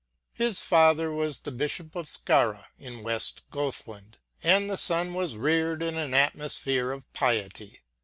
His father was the Bishop of Skara in "West Gothland, and the son was reared in an atmosphere of piety.